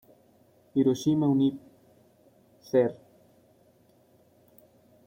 Hiroshima Univ., Ser.